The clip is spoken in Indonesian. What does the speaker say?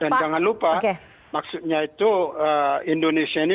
dan jangan lupa maksudnya itu indonesia ini